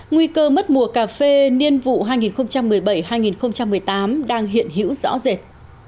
nguy cơ mất mùa cà phê niên vụ hai nghìn một mươi bảy hai nghìn một mươi tám đang hiện hữu rõ rệt